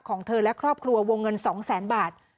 ของเธอและครอบครัววงเงิน๒แสนบาท